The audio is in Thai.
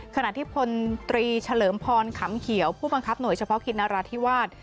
ขณะที่พลตรีเฉลิมพรขำเขียวผู้บังคับหน่วยเฉพาะกิจนราธิวาส